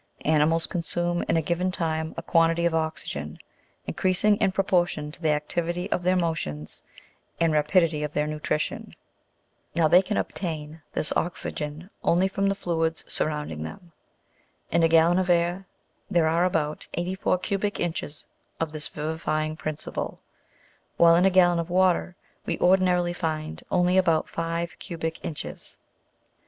Animals consume in a given time a quantity of oxygen, increasing in pro portion to the activity of their motions and rapidity of their nutrition : now, they can obtain this oxygen only from the fluids surrounding them ; in a gallon of air there are about 84 cubic inches of this vivifying principle, while in a gallon of water we ordinarily find only about five cubic inches.